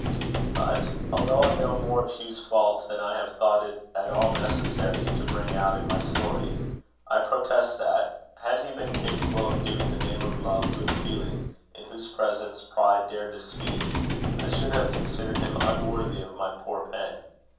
But, although I know more of Hugh's faults than I have thought it at all necessary to bring out in my story, I protest that, had he been capable of giving the name of love to a feeling in whose presence pride dared to speak, I should have considered him unworthy of my poor pen.